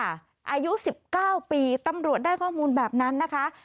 อายุ๑๙ปีตำรวจได้ข้อมูลแบบนั้นนะคะ